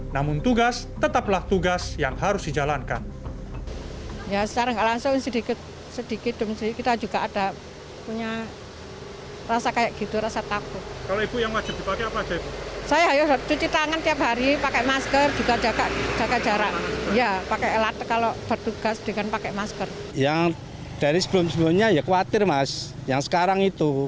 namun tugas tetaplah tugas yang harus dijalankan